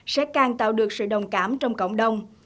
sẽ càng tạo được sự đồng cảm trong cộng đồng